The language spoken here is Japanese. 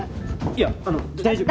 ・いやあの大丈夫。